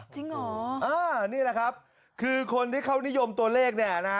จริงเหรอนี่แหละครับคือคนที่เขานิยมตัวเลขเนี่ยนะ